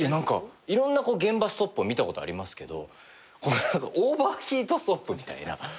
いろんな現場ストップを見たことありますけどオーバーヒートストップみたいな。